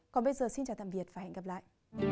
còn bây giờ xin chào tạm biệt và hẹn gặp lại